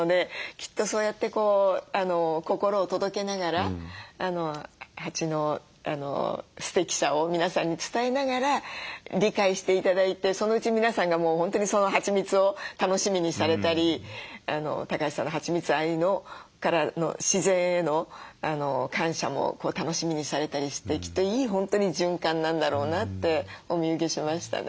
きっとそうやって心を届けながら蜂のすてきさを皆さんに伝えながら理解して頂いてそのうち皆さんがもう本当にそのはちみつを楽しみにされたり橋さんのはちみつ愛からの自然への感謝も楽しみにされたりしてきっといい本当に循環なんだろうなってお見受けしましたね。